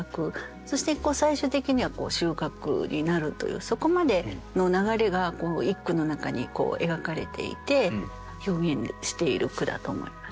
そして最終的には収穫になるというそこまでの流れがこの一句の中に描かれていて表現している句だと思います。